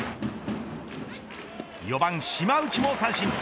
４番島内も三振。